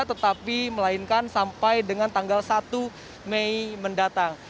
tetapi melainkan sampai dengan tanggal satu mei mendatang